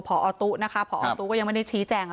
พอตู้นะคะพอตู้ก็ยังไม่ได้ชี้แจง